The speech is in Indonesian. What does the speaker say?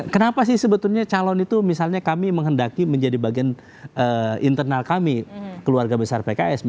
kenapa sih sebetulnya calon itu misalnya kami menghendaki menjadi bagian internal kami keluarga besar pks